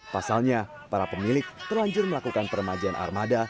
pasalnya para pemilik terlanjur melakukan permajaan armada